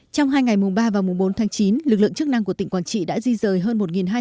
trong những ngày mưa lớn vừa qua nhiều cán bộ chiến sĩ đã di rời hơn một nhân khẩu